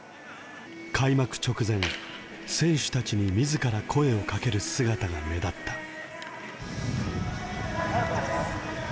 開幕直前選手たちにみずから声をかける姿が目立った。